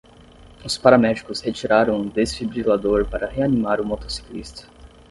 Os paramédicos retiraram o desfibrilador para reanimar o motociclista.